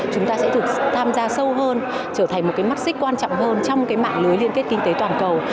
chúng ta sẽ tham gia sâu hơn trở thành một cái mắt xích quan trọng hơn trong cái mạng lưới liên kết kinh tế toàn cầu